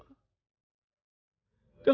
dan anak hamba